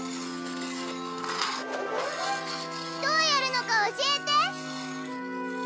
どうやるのか教えて！